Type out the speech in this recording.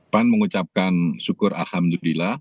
pan mengucapkan syukur alhamdulillah